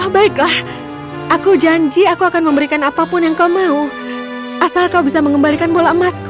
baiklah aku janji aku akan memberikan apapun yang kau mau asal kau bisa mengembalikan bola emasku